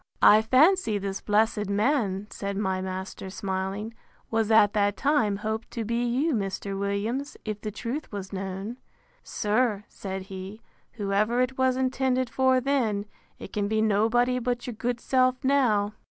I fancy this blessed man, said my master smiling, was, at that time, hoped to be you, Mr. Williams, if the truth was known. Sir, said he, whoever it was intended for then, it can be nobody but your good self now.